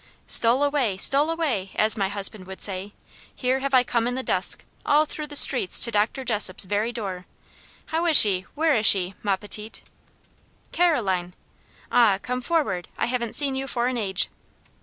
"Stole away! stole away! as my husband would say. Here have I come in the dusk, all through the streets to Dr. Jessop's very door. How is she? where is she, ma petite!" "Caroline!" "Ah! come forward. I haven't seen you for an age."